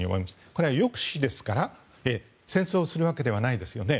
これは抑止ですから戦争をするわけではないですよね。